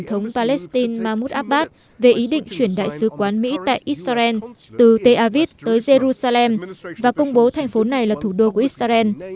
tổng thống palestine mahmoud abbas về ý định chuyển đại sứ quán mỹ tại israel từ teavit tới jerusalem và công bố thành phố này là thủ đô của israel